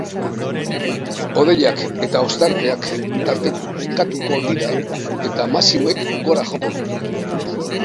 Hodeiak eta ostarteak tartekatuko dira, eta maximoek gora joko dute.